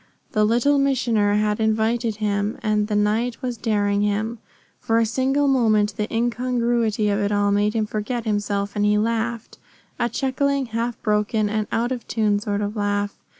The Little Missioner had invited him, and the night was daring him. For a single moment the incongruity of it all made him forget himself, and he laughed a chuckling, half broken, and out of tune sort of laugh.